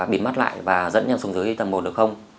bịt mắt lại và dẫn nhau xuống dưới tầng một được không